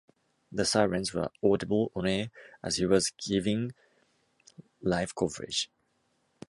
The sirens were audible on-air as he was giving live coverage.